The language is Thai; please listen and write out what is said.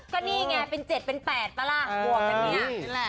ก็นี่ไงเป็น๗เป็น๘ป่ะล่ะบวกกันเนี่ย